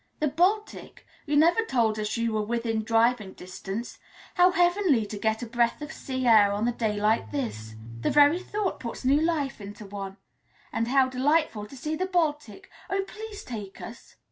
"The Baltic! You never told us you were within driving distance? How heavenly to get a breath of sea air on a day like this! The very thought puts new life into one! And how delightful to see the Baltic! Oh, please take us!"